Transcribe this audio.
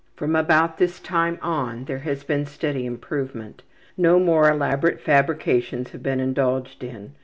From about this time on there has been steady improvement. No more elaborate fabrications have been indulged in.